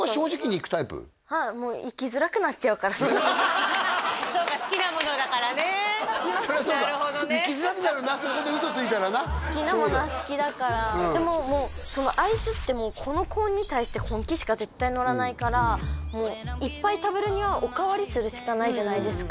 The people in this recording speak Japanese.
もうはいもうそうか好きなものだからねそれはそうだ生きづらくなるなそこで嘘ついたらなそうだ好きなものは好きだからでももうそのアイスってもうこのコーンに対してこんきしか絶対のらないからもういっぱい食べるにはお代わりするしかないじゃないですか